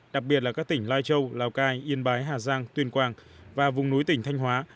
đặc biệt là các tỉnh lai châu lào cai yên bái hà giang tuyên quang và vùng núi tỉnh thanh hóa